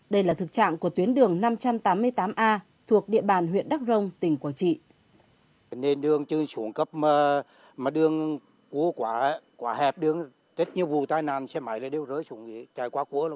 đây là thực trạng của tuyến đường năm trăm tám mươi tám a thuộc địa bàn huyện đắk rông tỉnh quảng trị